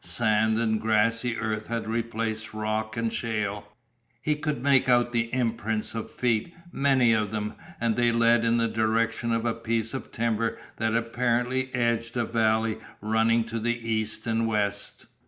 Sand and grassy earth had replaced rock and shale; he could make out the imprints of feet many of them and they led in the direction of a piece of timber that apparently edged a valley running to the east and west.